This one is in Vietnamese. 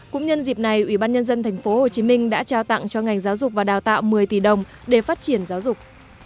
cũng nhân dịp này ủy ban nhân dân tp hcm đã trao tặng cho ngành giáo dục và đào tạo một mươi tỷ đồng để phát triển giáo dục